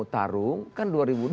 tarung kan dua ribu dua puluh